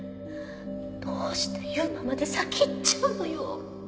どうして悠馬まで先逝っちゃうのよ？